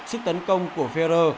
sức tấn công của ferrer